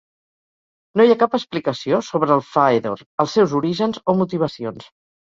No hi ha cap explicació sobre el Faedor, els seus orígens o motivacions.